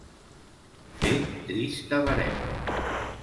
Fer trista verema.